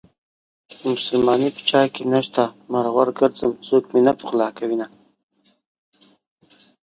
مسلماني په چاكې نشته مرور ګرځم څوك مې نه پخولاكوينه